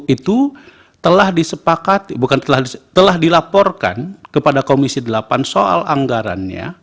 itu telah dilaporkan kepada komisi delapan soal anggarannya